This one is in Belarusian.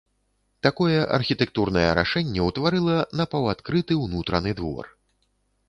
Такое архітэктурнае рашэнне ўтварыла напаўадкрыты ўнутраны двор.